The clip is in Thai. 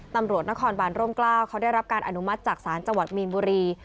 ตำรวจนครบานร่มกล้าวเขาได้รับการอนุมัติจากศาลจังหวัดมีนบุรี